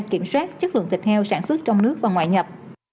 kiểm soát chất lượng thịt heo sản xuất trong nước và ngoại nhập